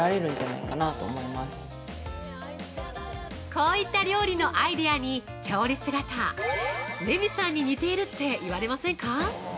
◆こういった料理のアイディアに調理姿、レミさんに似ているって言われませんか？